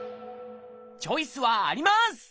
チョイスはあります！